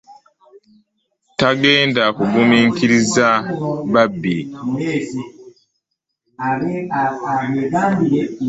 Tagenda kwongera kuguminkiriza babbi.